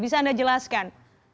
bisa anda jelaskan